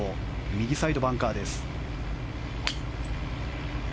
右サイドはバンカーです。